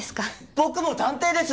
僕も探偵です！